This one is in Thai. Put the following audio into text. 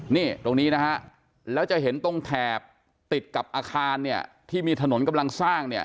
นี่ตรงนี้นะครับแล้วจะเห็นตรงแถบติดกับอาคารที่มีถนนกำลังสร้าง